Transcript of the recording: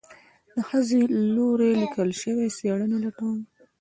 د ښځې لوري ليکل شوي څېړنې لټوم